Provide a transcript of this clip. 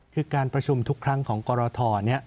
คือการประชุมทุกครั้งของกรท